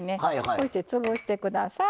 こうして潰してください。